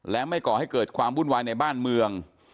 และไม่ก่อให้เกิดความวุ่นวายในบ้านเมือง